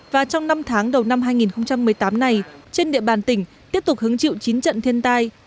và trong năm tháng đầu năm hai nghìn một mươi tám này trên địa bàn tỉnh tiếp tục hứng chịu chín trận thiên tai